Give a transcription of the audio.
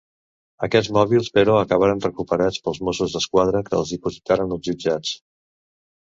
Aquests mòbils però acabaren recuperats pels Mossos d'Esquadra que els dipositaren als jutjats.